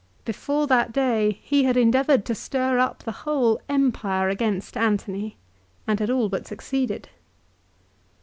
Before that day he had endeavoured to stir up the whole Empire against Antony, and had all but succeeded.